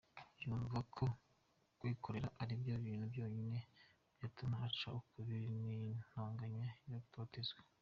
Yumva ko kwikorera aribyo bintu byonyine byatuma aca ukubiri n’intonganya no gutotezwa.